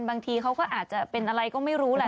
บางทีเขาก็อาจจะเป็นอะไรก็ไม่รู้แหละ